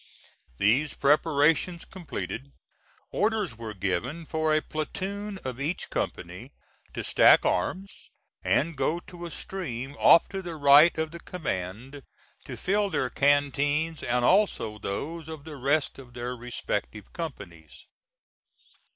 These preparations completed, orders were given for a platoon of each company to stack arms and go to a stream off to the right of the command, to fill their canteens and also those of the rest of their respective companies.